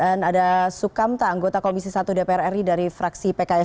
dan ada sukamta anggota komisi satu dpr ri dari fraksi pks